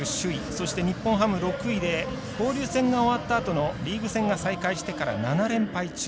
そして日本ハム６位で交流戦が終わったあとのリーグ戦が再開してから７連敗中。